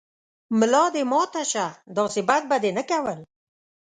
ملا دې ماته شۀ، داسې بد به دې نه کول